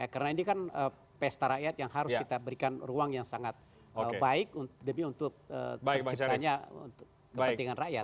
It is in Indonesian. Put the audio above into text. karena ini kan pesta rakyat yang harus kita berikan ruang yang sangat baik untuk terciptanya kepentingan rakyat